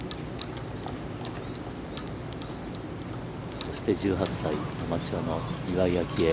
そして１８歳、アマチュアの岩井明愛。